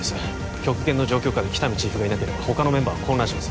極限の状況下で喜多見チーフがいなければ他のメンバーは混乱します